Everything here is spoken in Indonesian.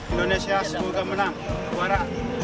indonesia semoga menang juara